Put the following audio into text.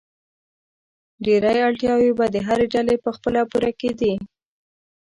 ډېری اړتیاوې به د هرې ډلې په خپله پوره کېدې.